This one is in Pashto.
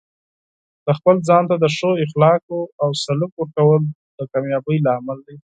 د خپل ځان ته د ښه اخلاقو او سلوک ورکول د کامیابۍ لامل دی.